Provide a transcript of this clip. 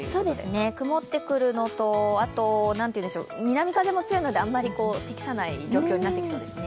曇ってくるのと、なんていうんでしょう、南風も強いのであんまり適さない状況になってきそうですね。